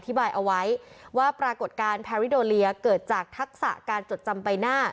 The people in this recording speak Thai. บายเอาไว้ว่าปรากฏการณ์แพริโดเลียเกิดจากทักษะการจดจำใบหน้า